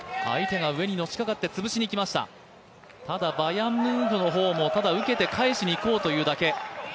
バヤンムンフの方もただ受けて返しにいこうというだけ。